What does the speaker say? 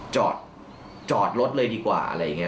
จอดรถเลยดีกว่าอะไรอย่างนี้